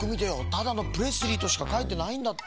ただの「プレスリー」としかかいてないんだって。